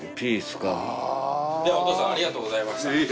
ではお父さんありがとうございました。